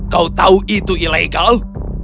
kau tahu itu ilegal